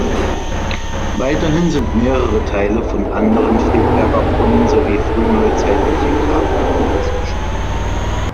Weiterhin sind mehrere Teile von anderen Friedberger Brunnen sowie frühneuzeitliche Grabplatten ausgestellt.